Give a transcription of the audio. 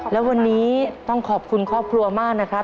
และวันนี้ต้องขอบคุณครอบครัวมากนะครับ